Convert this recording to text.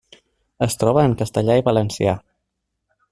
Es troba en castellà i valencià.